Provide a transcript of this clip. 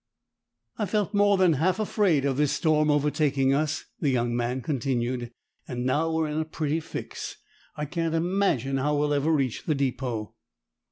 "I felt more than half afraid of this storm overtaking us," the young man continued; "and now we're in a pretty fix. I can't imagine how we'll ever reach the depot."